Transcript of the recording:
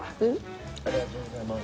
ありがとうございます。